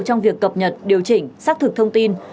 trong việc cập nhật điều chỉnh xác thực thông tin